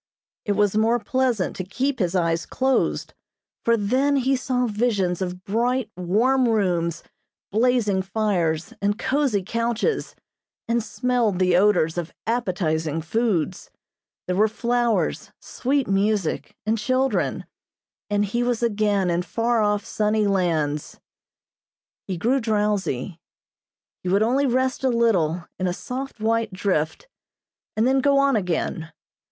It was more pleasant to keep his eyes closed, for then he saw visions of bright, warm rooms, blazing fires and cozy couches, and smelled the odors of appetizing foods. There were flowers, sweet music and children, and he was again in far off sunny lands. He grew drowsy. He would only rest a little in a soft white drift, and then go on again.